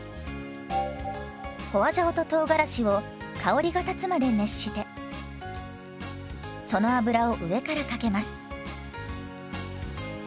花椒ととうがらしを香りが立つまで熱してその油を上からかけます。